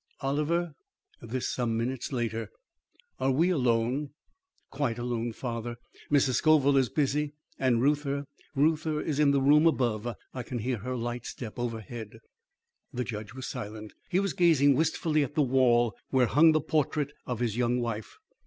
"Oliver?" This some minutes later. "Are we alone?" "Quite alone, father. Mrs. Scoville is busy and Reuther Reuther is in the room above. I can hear her light step overhead." The judge was silent. He was gazing wistfully at the wall where hung the portrait of his young wife.